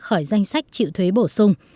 khỏi danh sách chịu thuế bổ sung